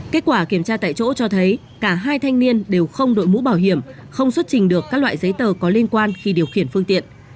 kết quả kiểm tra tại chỗ cho thấy cả hai thanh niên đều không đội mũ bảo hiểm không xuất trình được các loại giấy tờ có liên quan khi điều khiển phương tiện